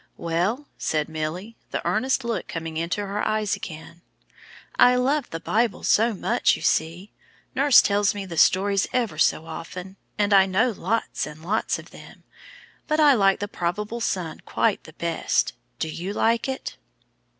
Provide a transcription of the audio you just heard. "Well," said Milly, the earnest look coming into her eyes again, "I love the Bible so much, you see. Nurse tells me the stories ever so often, and I know lots and lots of them. But I like the probable son the best. Do you like it?"